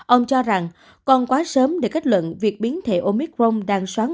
ông cho rằng còn quá sớm để kết luận việc biến thể omicron